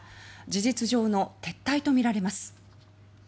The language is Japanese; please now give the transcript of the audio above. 事実上の撤退とみられます。